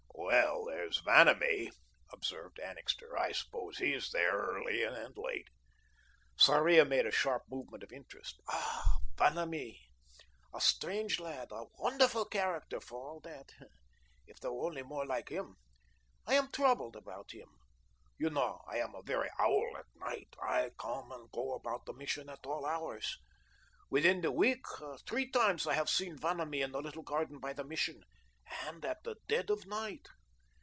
"Well, there's Vanamee," observed Annixter. "I suppose he's there early and late." Sarria made a sharp movement of interest. "Ah, Vanamee a strange lad; a wonderful character, for all that. If there were only more like him. I am troubled about him. You know I am a very owl at night. I come and go about the Mission at all hours. Within the week, three times I have seen Vanamee in the little garden by the Mission, and at the dead of night.